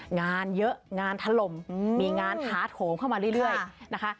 งานเยอะงานถล่มมีงานท้าโถมเข้ามาเรื่อยนะคะ